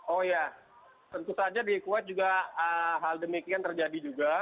oh ya tentu saja di kuwait juga hal demikian terjadi juga